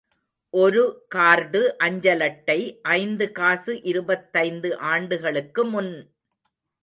ஒரு கார்டு அஞ்சலட்டை ஐந்து காசு இருபத்தைந்து ஆண்டுகளுக்கு முன்!